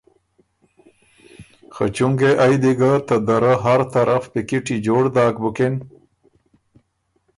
خه چونکې ائ دی ګه ته دَرَۀ هر طرف پیکِټی جوړ داک بُکِن